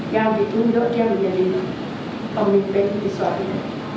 yang ditunduk dia menjadi pemimpin biswab ini